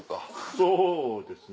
そうですね。